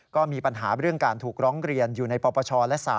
ก็มีปัญหาเรื่องการถูกร้องเรียนอยู่ในปปชและ๓